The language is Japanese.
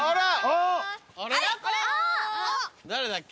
誰だっけ？